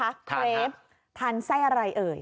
ทานครับทานไส้อะไรเอย